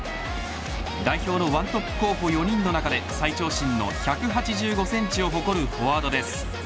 代表のワントップ候補４人の中で最長身の１８５センチを誇るフォワードです。